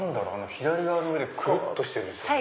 左側の上でくるっとしてるんですよね。